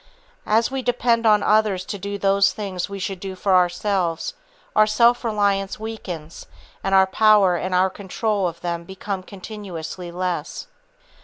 As we depend on others to do those things we should do for ourselves, our self reliance weakens and our powers and our control of them becomes continuously less.